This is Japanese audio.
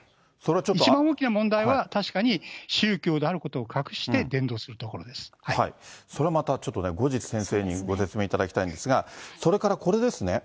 一番大きな問題は、確かに宗教であることを隠して、それはまたちょっとね、後日、先生にご説明いただきたいんですが、それからこれですね。